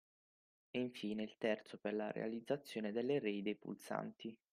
E infine il terzo per la realizzazione dell’array dei pulsanti.